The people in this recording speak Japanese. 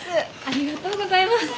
ありがとうございます。